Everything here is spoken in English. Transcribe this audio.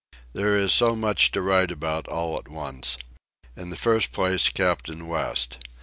There is so much to write about all at once. In the first place, Captain West.